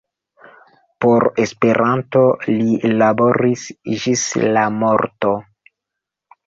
Por Esperanto li laboris ĝis la morto.